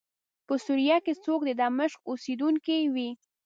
په سوریه کې څوک د دمشق اوسېدونکی وي.